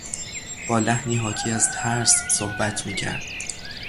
با لحنی حاکی از ترس صحبت میکرد.